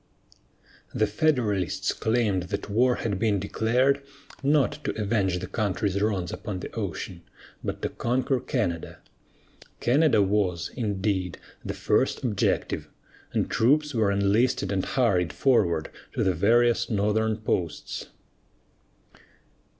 The Federalists claimed that war had been declared, not to avenge the country's wrongs upon the ocean, but to conquer Canada. Canada was, indeed, the first objective, and troops were enlisted and hurried forward to the various northern posts.